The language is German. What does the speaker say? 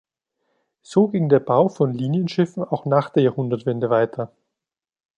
So ging der Bau von Linienschiffen auch nach der Jahrhundertwende weiter.